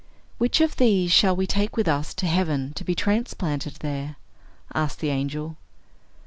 "Which of these shall we take with us to heaven to be transplanted there?" asked the angel.